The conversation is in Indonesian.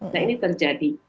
nah ini terjadi